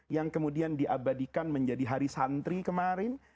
yang kemudian diabadikan menjadi hari santri kemarin